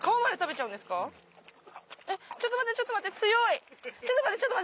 ちょっと待ってちょっと待って。